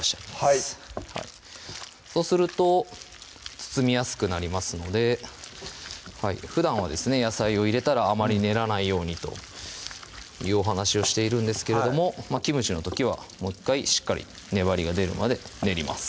はいそうすると包みやすくなりますのでふだんはですね野菜を入れたらあまり練らないようにという話をしているんですけれどもキムチの時はもう１回しっかり粘りが出るまで練ります